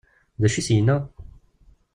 D acu i as-yenna?